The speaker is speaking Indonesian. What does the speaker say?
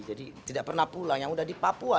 jadi tidak pernah pulang yang udah di papua